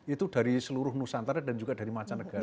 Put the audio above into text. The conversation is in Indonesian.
itu dari seluruh nusantara dan juga dari macam negara